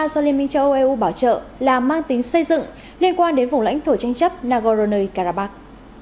do liên minh châu âu eu bảo trợ là mang tính xây dựng liên quan đến vùng lãnh thổ tranh chấp nagorno karabakh